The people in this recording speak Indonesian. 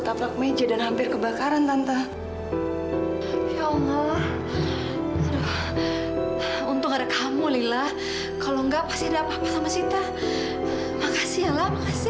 sampai jumpa di video selanjutnya